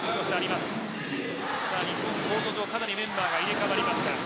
日本、コート上かなりメンバーが入れ替わりました。